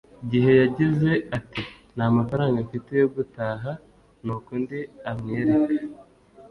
gihe yagize ati Nta mafaranga mfite yo gutaha nuko undi amwereka